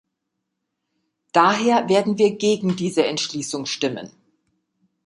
Daher werden wir gegen diese Entschließung stimmen.